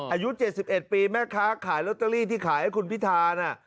อายุ๗๑ปีแม่ค้าขายลอตเตอรี่ที่ขายให้คุณพิธานะ